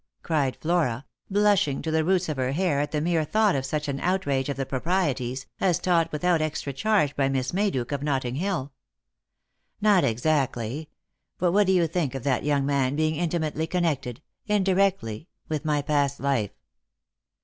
" cried Flora, blushing to the roots of her hair at the mere thought of such an outrage of the proprieties, as taught without extra charge by Miss Mayduke, of Notting hill. " Not exactly. But what do you think of that young man being intimately connected — indirectly — with my past life